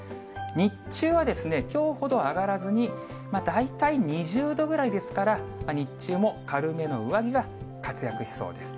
日中はですね、きょうほど上がらずに、大体２０度ぐらいですから、日中も軽めの上着が活躍しそうです。